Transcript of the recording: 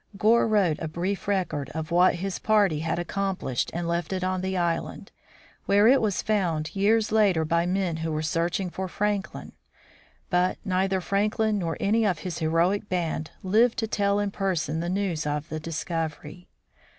Gore wrote a brief record of what his party had accomplished and left it on the island, where it was found years later by men who were searching for Franklin ; but neither Franklin nor any of his heroic band lived to tell in person the news of the discovery.